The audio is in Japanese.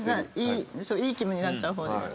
いい気分になっちゃう方。